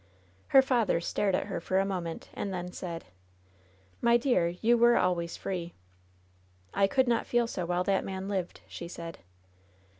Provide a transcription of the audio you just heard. Her father stared at her for a moment, and then said: "My dear, you were always free !^' "I could not feel so while that man lived,*' she said.